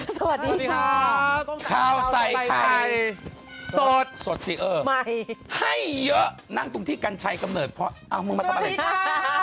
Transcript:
สวัสดีค่ะข้าวใส่ไข่สดสดสิเออใหม่ให้เยอะนั่งตรงที่กัญชัยกำเนิดเพราะเอามึงมาทำอะไรคะ